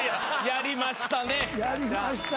やりましたね。